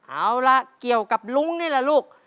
เอาล่ะเกี่ยวกับลุงนี่แหละลูก